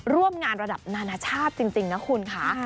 ร่วมงานระดับนานาชาติจริงนะคุณค่ะ